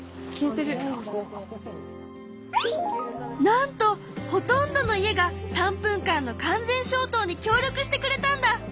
なんとほとんどの家が３分間の完全消灯に協力してくれたんだ！